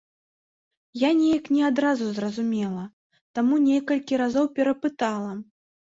Я неяк не адразу зразумела, таму некалькі разоў перапытала.